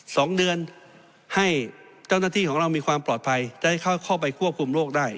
สองเดือนให้เจ้าหน้าที่ของเรามีความปลอดภัยได้เข้าไปควบคุมโรคได้